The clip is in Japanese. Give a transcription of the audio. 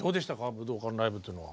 武道館ライブっていうのは？